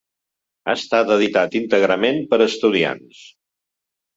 Ha estat editat íntegrament per estudiants.